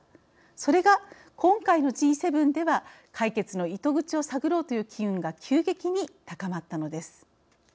それが今回のＧ７では解決の糸口を探ろうという機運が急激に高まったのです。